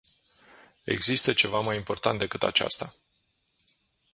Există ceva mai important decât aceasta.